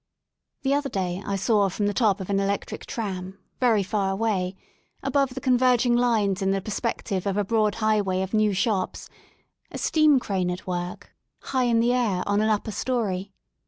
The other day I saw from the top of an electric tram, very far away, above the converging lines in the perspective of a broad highway of new shops, a steam crane at work high in the air on an upper storey.